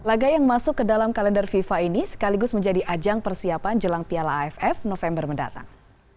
laga yang masuk ke dalam kalender fifa ini sekaligus menjadi ajang persiapan jelang piala aff november mendatang